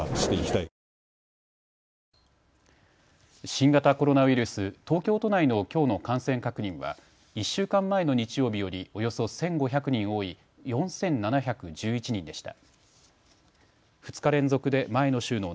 新型コロナウイルス、東京都内のきょうの感染確認は１週間前の日曜日よりおよそ１５００人多い４７１１人でした。